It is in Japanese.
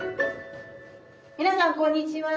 皆さんこんにちは。